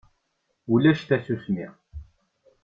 Ulac tasusmi.